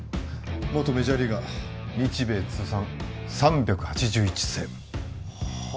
元メジャーリーガー日米通算３８１セーブはあ